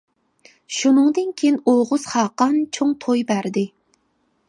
شۇنىڭدىن كىيىن ئوغۇز خاقان چوڭ توي بەردى.